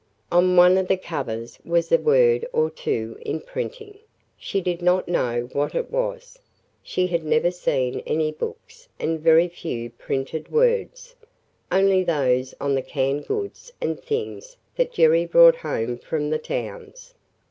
On one of the covers was a word or two in printing. She did not know what it was. She had never seen any books and very few printed words – only those on the canned goods and things that Jerry brought home from the towns.